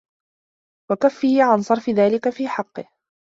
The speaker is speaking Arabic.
وَكَفِّهِ عَنْ صَرْفِ ذَلِكَ فِي حَقِّهِ